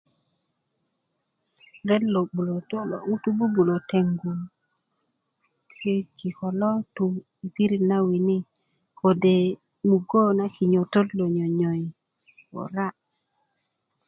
ret lo 'bulötö lo ŋutu bubulö teŋgu ko kiko lo tu yi pirit na wini kode mugö na kinyötöt lo nuönyöyi 'bura'